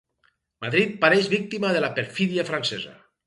Madrid pereix víctima de la perfídia francesa.